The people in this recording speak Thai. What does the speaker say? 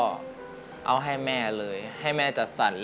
รายการต่อไปนี้เป็นรายการทั่วไปสามารถรับชมได้ทุกวัย